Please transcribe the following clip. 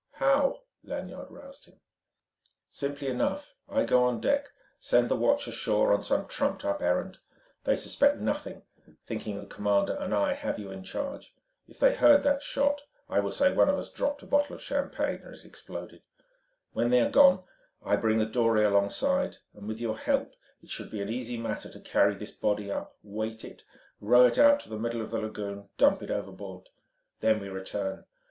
"How?" Lanyard roused him. "Simply enough: I go on deck, send the watch ashore on some trumped up errand. They suspect nothing, thinking the commander and I have you in charge. If they heard that shot, I will say one of us dropped a bottle of champagne, and it exploded.... When they are gone, I bring the dory alongside; and with your help it should be an easy matter to carry this body up, weight it, row it out to the middle of the lagoon, dump it overboard. Then we return.